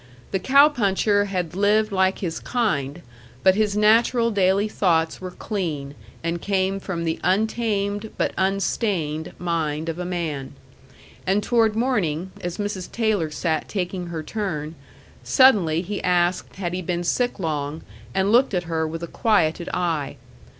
The cow puncher had lived like his kind, but his natural daily thoughts were clean, and came from the untamed but unstained mind of a man. And toward morning, as Mrs. Taylor sat taking her turn, suddenly he asked had he been sick long, and looked at her with a quieted eye.